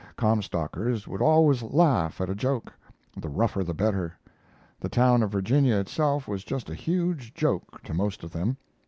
Comstockers would always laugh at a joke; the rougher the better. The town of Virginia itself was just a huge joke to most of them.